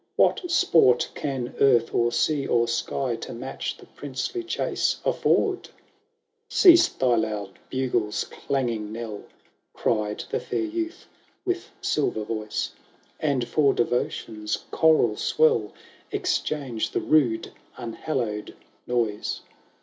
What sport can earth, or sea, or sky, To match the princely chase afford ?"— VIII " Cease thy loud bugle's clanging knell." Cried the fair youth with silver voice ;" And for Devotion's choral swell, Exchange the rude unhallowed noise.